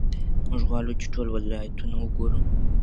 موږ غواړو چې ټول ولایتونه وګورو.